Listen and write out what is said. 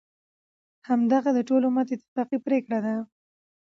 همدغه د ټول امت اتفاقی پریکړه ده،